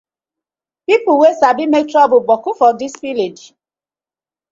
Pipu wey sabi mak toruble boku for dis villag.